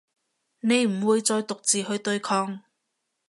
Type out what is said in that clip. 你唔會再獨自去對抗